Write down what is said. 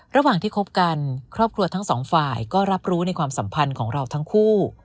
ระหว่างที่คบกันครอบครัวทั้งสองฝ่ายก็รับรู้ในความสัมพันธ์ของเราทั้งคู่